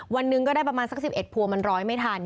วันหนึ่งก็ได้ประมาณสัก๑๑พวงมันร้อยไม่ทัน